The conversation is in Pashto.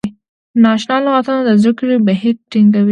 نا اشنا لغتونه د زده کړې بهیر ټکنی کوي.